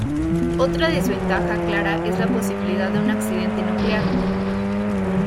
Otra desventaja clara es la posibilidad de un accidente nuclear.